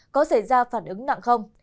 có xảy ra phản ứng nặng không